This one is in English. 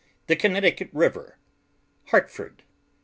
THE CONNECTICUT RIVER. HARTFORD.